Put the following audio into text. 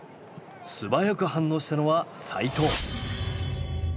素早く反応したのは齋藤。